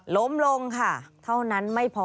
ล้มลงค่ะเท่านั้นไม่พอ